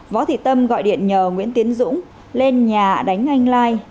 võ thị tâm gọi điện nhờ nguyễn tiến dũng lên nhà đánh anh lai